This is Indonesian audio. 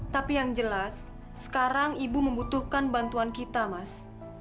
tapi yang jelas sekarang ibu membutuhkan bantuan kita mas